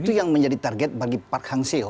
itu yang menjadi target bagi park hang seo